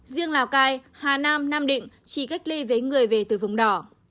riêng lào cai hà nam nam định chỉ cách ly với người về từ vùng đỏ